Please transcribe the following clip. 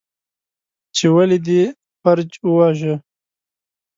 ، چې ولې دې فرج وواژه؟